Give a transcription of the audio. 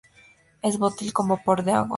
Es volátil con vapor de agua.